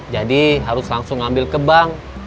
jadi harus langsung ngambil ke bank